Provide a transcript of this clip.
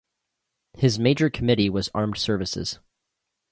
His major committee was Armed Services.